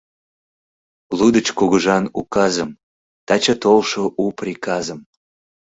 Лудыч кугыжан указым Таче толшо у приказым